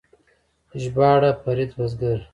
ژباړه فرید بزګر